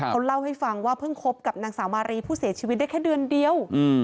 เขาเล่าให้ฟังว่าเพิ่งคบกับนางสาวมารีผู้เสียชีวิตได้แค่เดือนเดียว